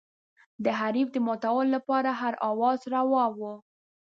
د حریف د ماتولو لپاره هر اوزار روا و.